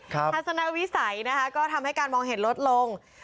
ทัศนวิสัยนะคะก็ทำให้การมองเห็นลดลง